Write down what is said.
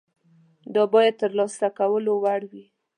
دا باید د ترلاسه کولو وړ وي.